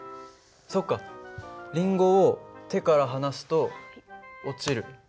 そっかりんごを手から離すと落ちる。